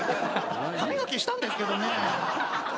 歯磨きしたんですけどねえ。